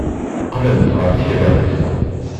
Qqlent ɣer tirawt.